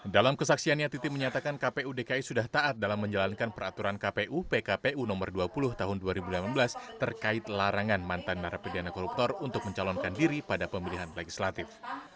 dalam kesaksiannya titi menyatakan kpu dki sudah taat dalam menjalankan peraturan kpu pkpu nomor dua puluh tahun dua ribu delapan belas terkait larangan mantan narapidana koruptor untuk mencalonkan diri pada pemilihan legislatif